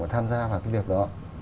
để tham gia vào việc đó